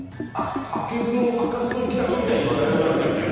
開かずの引き出しみたいになってるね。